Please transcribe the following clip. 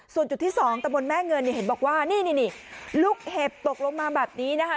ส่วนจุดที่๒ตะบนแม่เงินเนี่ยเห็นบอกว่านี่ลูกเห็บตกลงมาแบบนี้นะคะ